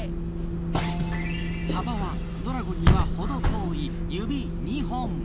幅はドラゴンには程遠い指２本。